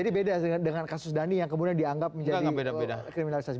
jadi beda dengan kasus dhani yang kemudian dianggap menjadi kriminalisasi